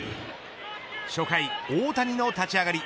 初回、大谷の立ち上がり